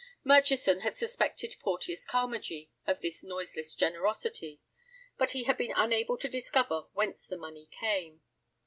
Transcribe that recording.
Murchison had suspected Porteus Carmagee of this noiseless generosity, but he had been unable to discover whence the money came.